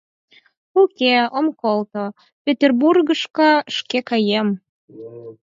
Уке, ом колто, Петербургышко шке каем...